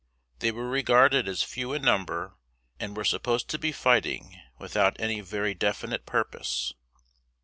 They were regarded as few in number, and were supposed to be fighting without any very definite purpose.